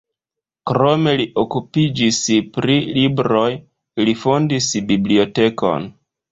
Krome li okupiĝis pri libroj, li fondis bibliotekon.